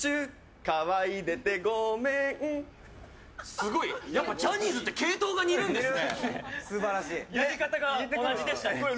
すごい、ジャニーズって系統が似るんですね。